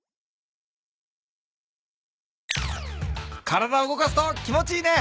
体を動かすと気持ちいいね。